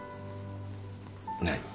何？